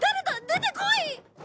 出てこい！